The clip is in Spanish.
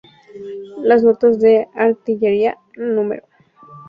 Las Notas de Artillería No.